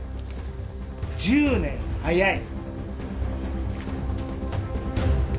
１０年早い。